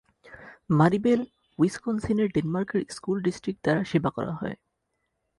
মারিবেল, উইসকনসিনের ডেনমার্কের school district দ্বারা সেবা করা হয়।